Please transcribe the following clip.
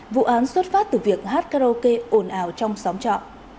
vụ án xuất phát từ việc hát karaoke ồn ào trong sóng trọ